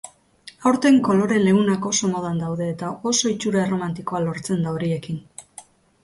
Aurten kolore leunak oso modan daude eta oso itxura erromantikoa lortzen da horiekin.